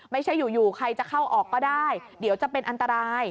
ไม่ใช่อยู่ใครจะเข้าออกก็ได้เดี๋ยวจะเป็นอันตราย